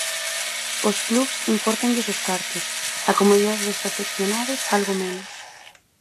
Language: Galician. Os clubs impórtanlles os cartos, a comodidade dos afeccionados algo menos.